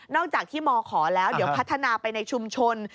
อกจากที่มขแล้วเดี๋ยวพัฒนาไปในชุมชน